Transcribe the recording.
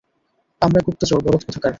আমরা গুপ্তচর, বলদ কোথাকার।